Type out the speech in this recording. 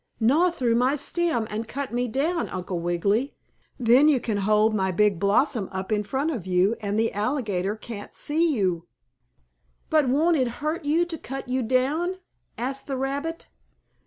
"Gnaw through my stem, and cut me down, Uncle Wiggily. Then you can hold my big blossom up in front of you and the alligator can't see you." "But won't it hurt you to cut you down?" asked the rabbit.